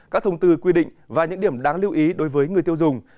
các thông tư quy định và những điểm đáng lưu ý đối với người tiêu dùng